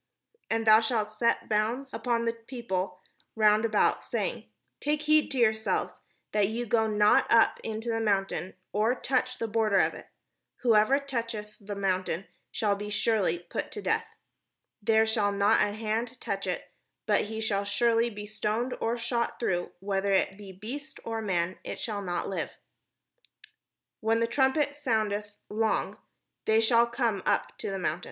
And thou shalt set bounds unto the people round about, saying, ' Take heed to yourselves, that ye go not up into the mount, or touch the border of it: whosoever toucheth the mount shall be surely put to death : there shall not an hand touch it, but he shall surely be stoned, or shot through; whether it be beast or man, it shall not live ': when the trumpet soundeth long, they shall come up to the mount."